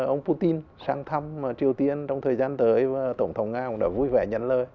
ông putin sang thăm triều tiên trong thời gian tới và tổng thống nga cũng đã vui vẻ nhắn lời